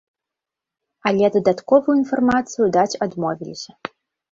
Але дадатковую інфармацыю даць адмовіліся.